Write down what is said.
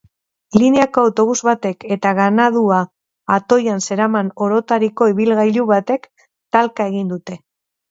Lineako autobus batek eta ganadua atoian zeraman orotariko ibilgailu batek talka egin dute.